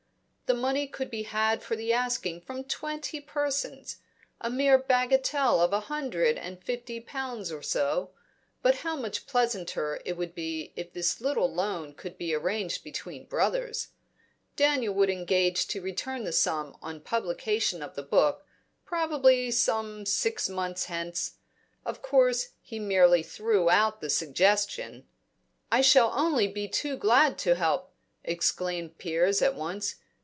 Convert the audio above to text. The money could be had for the asking from twenty persons a mere bagatelle of a hundred and fifty pounds or so; but how much pleasanter it would be if this little loan could be arranged between brothers. Daniel would engage to return the sum on publication of the book, probably some six months hence. Of course he merely threw out the suggestion "I shall be only too glad to help," exclaimed Piers at once.